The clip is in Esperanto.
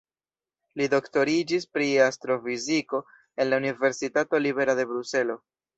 Li doktoriĝis pri astrofiziko en la Universitato Libera de Bruselo.